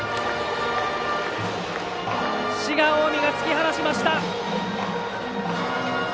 滋賀、近江が突き放しました。